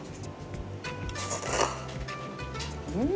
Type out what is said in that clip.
うん！